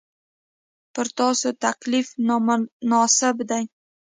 پر تاسو تکلیف نامناسب دی.